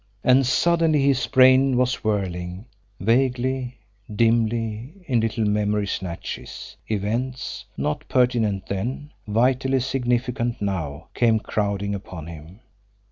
And suddenly his brain was whirling. Vaguely, dimly, in little memory snatches, events, not pertinent then, vitally significant now, came crowding upon him.